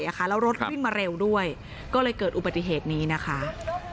แล้วรถวิ่งมาเร็วด้วยก็เลยเกิดอุบัติเหตุนี้นะคะ